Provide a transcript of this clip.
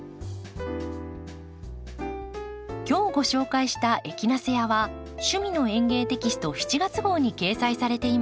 今日ご紹介した「エキナセア」は「趣味の園芸」テキスト７月号に掲載されています。